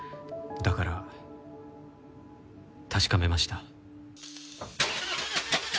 だから確かめました。